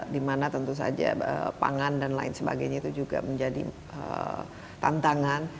dimana tentu saja pangan dan lain sebagainya itu juga menjadi tantangan